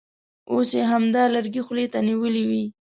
اوس یې همدا لرګی خولې ته نیولی وي.